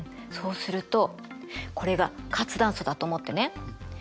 そうするとこれが活断層だと思ってね。